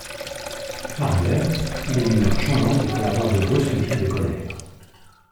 Par ailleurs, il est d'humeur changeante et peut avoir de brusques éclats de colère.